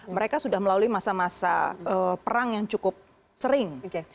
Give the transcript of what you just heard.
mereka sudah melalui masa masa perang yang cukup sering